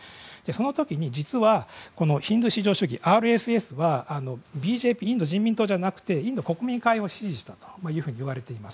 その時に実はヒンドゥー至上主義・ＲＳＳはインド人民党じゃなくてインド国民会議を支持したといわれているんです。